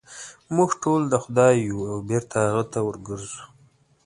موږ ټول د خدای یو او بېرته هغه ته ورګرځو.